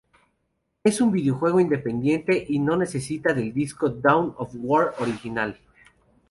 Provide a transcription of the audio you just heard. Es un videojuego independiente y no necesita del disco Dawn of War original.